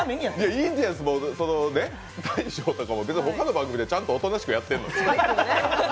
インディアンスも大昇とかも、他の番組では、ちゃんとおとなしくやってるのに。